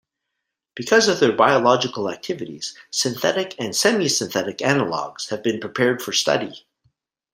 Because of their biological activities, synthetic and semi-synthetic analogs have been prepared for study.